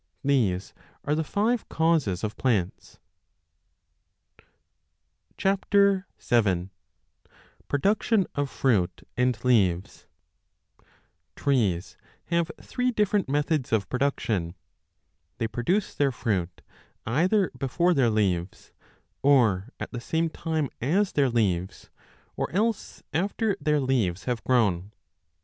These are the five causes of plants. 5 7 TREES have three different methods of production ; they produce their fruit either before their leaves, or at the same 8 time as their leaves, or else after their leaves have grown.